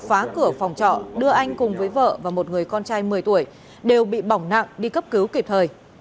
phá cửa phòng trọ đưa anh cùng với vợ và một người con trai một mươi tuổi đều bị bỏng nặng đi cấp cứu kịp thời